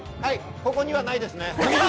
ここにはないですね。